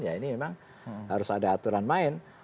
memang harus ada aturan lain